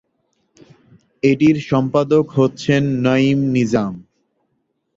এটির সম্পাদক হচ্ছেন নঈম নিজাম।